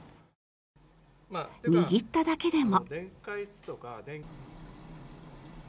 握っただけでも。